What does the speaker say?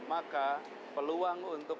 maka peluang untuk